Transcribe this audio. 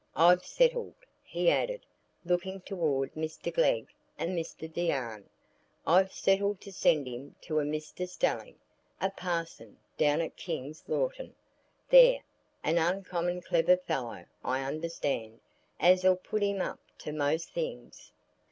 I've settled," he added, looking toward Mr Glegg and Mr Deane,—"I've settled to send him to a Mr Stelling, a parson, down at King's Lorton, there,—an uncommon clever fellow, I understand, as'll put him up to most things."